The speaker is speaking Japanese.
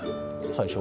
最初。